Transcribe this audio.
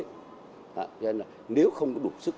cho nên là nếu không có đủ sức